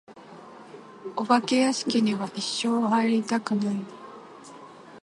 お化け屋敷には一生入りたくない。